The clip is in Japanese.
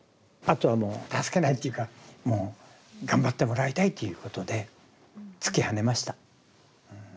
あとはもう助けないというかもう頑張ってもらいたいということで突きはねました。